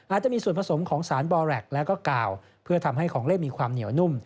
อาจจะมีส่วนผสมของสารบอแรคแล้วก็กาวเพื่อทำให้ของเล่นมีความเหนียวนุ่ม